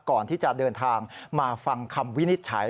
ก่อนที่จะเดินทางมาฟังคำวินิจฉัย